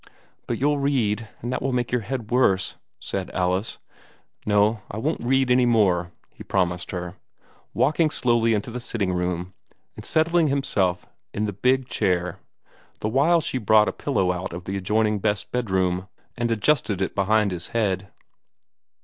"But you'll read; and that will make your head worse," said Alice. "No, I won't read any more," he promised her, walking slowly into the sitting room, and settling himself in the big chair, the while she brought out a pillow from the adjoining best bedroom, and adjusted it behind his head.